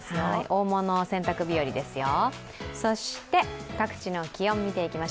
大物、洗濯日和ですよ。